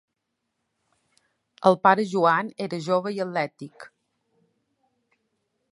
El pare Joan era jove i atlètic.